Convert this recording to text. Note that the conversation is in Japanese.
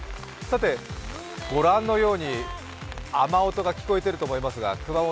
ご覧のように、雨音が聞こえていると思いますが、熊本